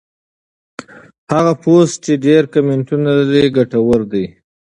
هغه پوسټ چې ډېر کمنټونه لري ګټور دی.